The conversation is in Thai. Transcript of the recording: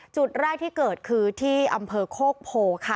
จุดแรกที่เกิดคือที่อำเภอโคกโพค่ะ